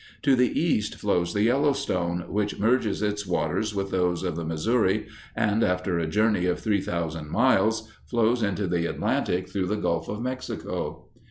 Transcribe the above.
To the east flows the Yellowstone, which merges its waters with those of the Missouri, and, after a journey of three thousand miles, flows into the Atlantic through the Gulf of Mexico.